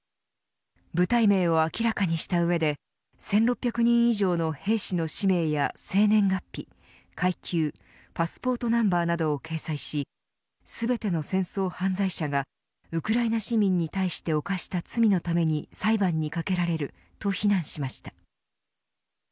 部隊名を明らかにした上で１６００人以上の兵士の氏名や生年月日階級、パスポートナンバーなどを掲載し全ての戦争犯罪者がウクライナ市民に対して犯した罪のために裁判にかけられると非難しました。